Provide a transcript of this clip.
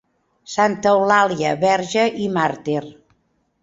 Santa Eulàlia, verge i màrtir.